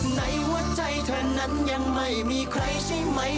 ในหัวใจเธอนั้นยังไม่มีใครใช่ไหม